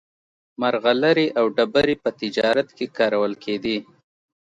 مرغلرې او ډبرې په تجارت کې کارول کېدې.